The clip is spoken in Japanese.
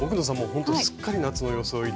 ほんとすっかり夏の装いで。